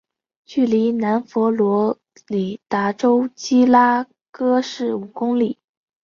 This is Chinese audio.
距离南佛罗里达州基拉戈市五公里。